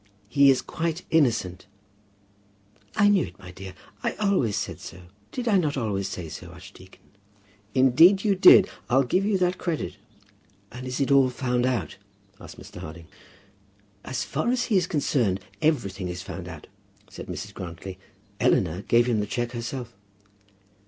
"He is quite innocent." "I knew it, my dear. I always said so. Did I not always say so, archdeacon?" "Indeed you did. I'll give you that credit." "And is it all found out?" asked Mr. Harding. "As far as he is concerned, everything is found out," said Mrs. Grantly. "Eleanor gave him the cheque herself."